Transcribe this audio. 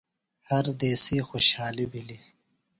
ہر دُشی خوۡشحالیۡ یھیلیۡ۔